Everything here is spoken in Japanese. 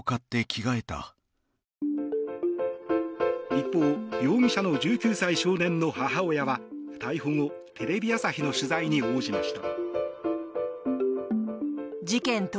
一方容疑者の１９歳少年の母親は逮捕後、テレビ朝日の取材に応じました。